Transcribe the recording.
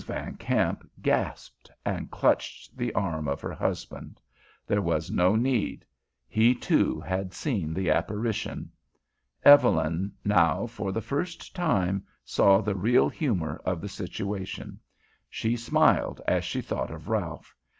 Van Kamp gasped and clutched the arm of her husband. There was no need. He, too, had seen the apparition. Evelyn now, for the first time, saw the real humor of the situation. She smiled as she thought of Ralph.